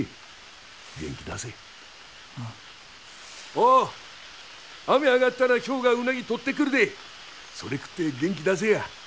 おう雨上がったらひょうがうなぎとってくるでそれ食って元気出せや。